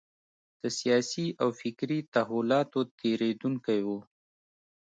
د سیاسي او فکري تحولاتو تېرېدونکی و.